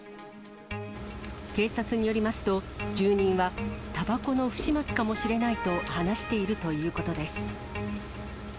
警察によりますと、住人はたばこの不始末かもしれないと話しているということです。